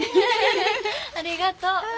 ありがとう。